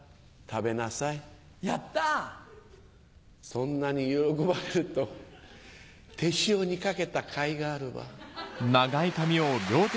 そんなに喜ばれると手塩にかけたかいがあるわ。